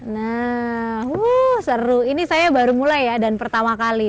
nah seru ini saya baru mulai ya dan pertama kali